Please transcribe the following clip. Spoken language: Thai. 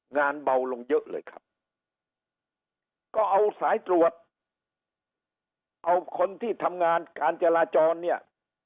งานเบาลงเยอะเลยครับก็เอาสายตรวจเอาคนที่ทำงานการจราจรเนี่ย